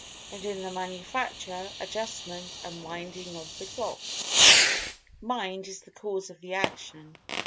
And in the manufacture, adjustment, and winding of the clock, Mind is the Cause of the Action.